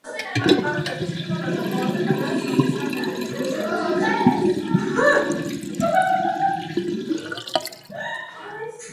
ბაღდადის მუჰაფაზა ყველაზე პატარა ზომისაა პროვინციებს შორის, თუმცა ყველაზე მეტად დასახლებულია.